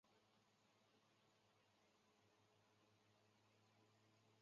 其中管风琴交响乐对管风琴曲目有很大的影响力。